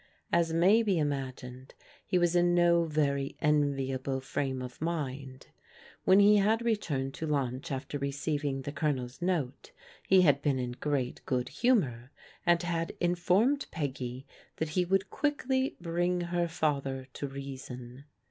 As may be imagined, he was in no very enviable frame of mind. When he had returned to Itmch after recdv ing the Colonel's note he had been in great good humour, and had informed Peggy that he would quickly bring her father to reason.